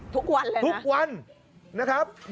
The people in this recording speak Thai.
ทุกวันเลยทุกวันนะครับ